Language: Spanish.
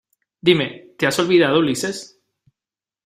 dime, ¿ te has olvidado , Ulises?